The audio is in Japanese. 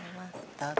どうぞ。